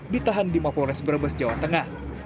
ditahan di mapolres brebes jawa tengah